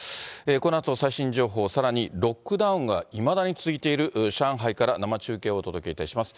このあと、最新情報、さらにロックダウンがいまだに続いている上海から、生中継をお届けいたします。